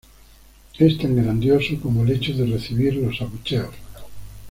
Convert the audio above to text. Es tan grandioso como el hecho de recibir los abucheos.